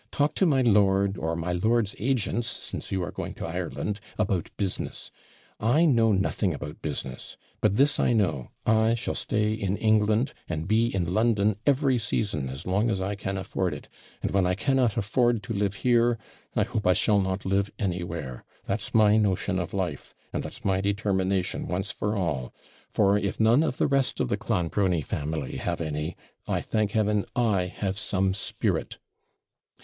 'Talk to my lord, or my lord's agents, since you are going to Ireland, about business I know nothing about business; but this I know, I shall stay in England, and be in London, every season, as long as I can afford it; and when I cannot afford to live here, I hope I shall not live anywhere. That's my notion of life; and that's my determination, once for all; for, if none of the rest of the Clonbrony family have any, I thank Heaven I have some spirit.'